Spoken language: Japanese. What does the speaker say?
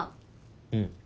うん。